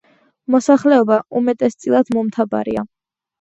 მოსახლეობა უმეტესწილად მომთაბარეა.